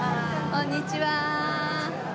こんにちは。